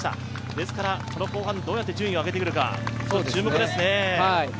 ですからこの後半どうやって順位を上げてくるか注目ですね。